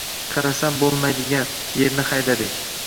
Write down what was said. Qarasam bo‘lmaydigan, yerni haydadik.